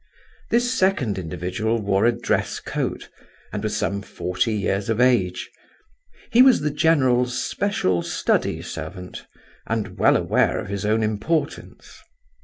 This second individual wore a dress coat, and was some forty years of age; he was the general's special study servant, and well aware of his own importance.